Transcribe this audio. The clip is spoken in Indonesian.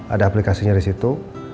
ada aplikasinya disitu